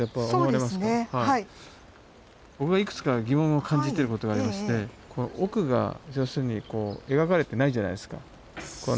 僕がいくつか疑問を感じていることがありまして奥が要するにこう描かれてないじゃないですかこの。